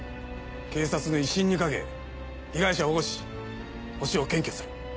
警察の威信にかけ被害者を保護しホシを検挙する。